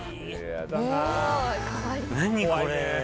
何これ。